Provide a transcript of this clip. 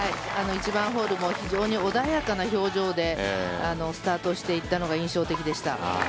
１番ホールも穏やかな表情でスタートしていったのが印象的でした。